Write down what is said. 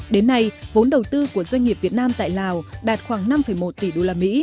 đến nay vốn đầu tư của doanh nghiệp việt nam tại lào đạt khoảng năm năm triệu usd